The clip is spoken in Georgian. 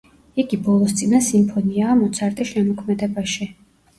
იგი ბოლოს წინა სიმფონიაა მოცარტის შემოქმედებაში.